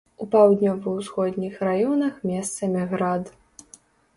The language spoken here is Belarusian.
У паўднёва-ўсходніх раёнах месцамі град.